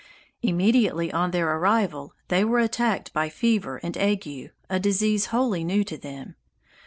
Immediately on their arrival they were attacked by fever and ague, a disease wholly new to them.